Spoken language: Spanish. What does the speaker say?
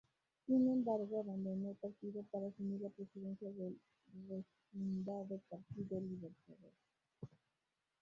Sin embargo, abandonó el partido para asumir la presidencia del refundado Partido Libertador.